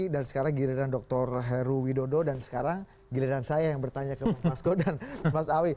dan sekarang giliran dr heru widodo dan sekarang giliran saya yang bertanya ke bang fasko dan mas awi